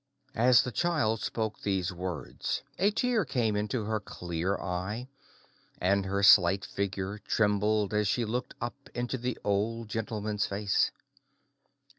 As the child spoke these words a tear came into her clear eye, and her slight figure trembled as she looked up into the Old Gentleman's face.